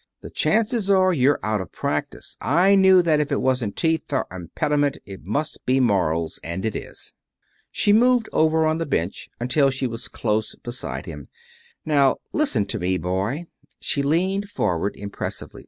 The chances are you're out of practise. I knew that if it wasn't teeth or impediment it must be morals. And it is." She moved over on the bench until she was close beside him. "Now, listen to me, boy." She leaned forward, impressively.